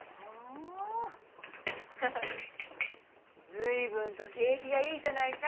随分と景気がいいじゃないか。